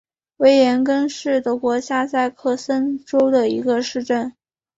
维廷根是德国下萨克森州的一个市镇。